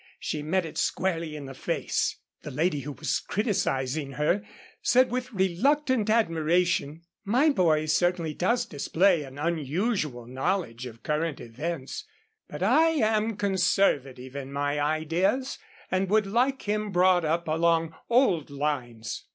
She met it squarely in the face. The lady who was criticising her, said with reluctant admiration, "My boy certainly does display an unusual knowledge of current events, but I am conservative in my ideas, and would like him brought up along old lines."